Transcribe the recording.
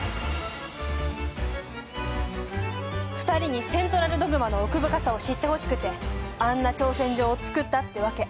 ２人にセントラルドグマの奥深さを知ってほしくてあんな挑戦状を作ったってわけ。